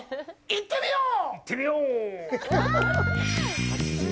行ってみよう！